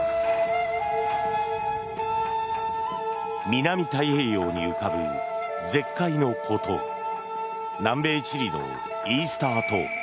南太平洋に浮かぶ絶海の孤島南米チリのイースター島。